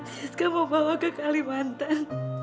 ska mau bawa ke kalimantan